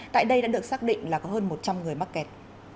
tại đây đã được xác định là có hơn một trăm linh người mắc kẹt